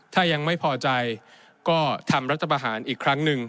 ถ้ายังไม่พอใจก็ทำรัฐประหารอีกครั้งหนึ่ง